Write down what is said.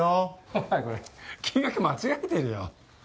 お前これ金額間違えてるよ。